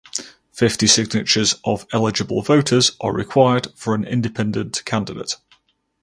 Fifty signatures of eligible voters are required for an independent candidate.